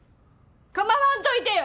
構わんといてよ！